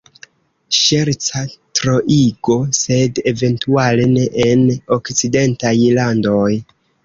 Ŝerca troigo – sed eventuale ne en okcidentaj landoj.